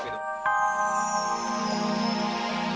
kayanya kita ke tempat kotor